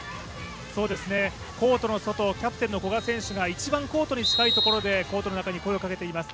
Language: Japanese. コートの外、キャプテンの古賀選手が一番コートに近いところでコートの中に声をかけています。